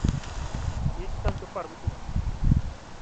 Fixeches tanto o parvo coma min.